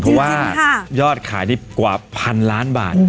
เพราะว่ายอดขายนี่กว่าพันล้านบาท